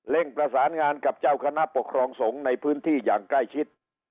ประสานงานกับเจ้าคณะปกครองสงฆ์ในพื้นที่อย่างใกล้ชิด